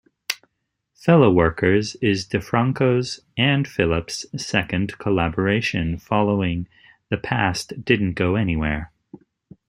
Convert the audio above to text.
"Fellow Workers" is DiFranco's and Phillip's second collaboration, following "The Past Didn't Go Anywhere".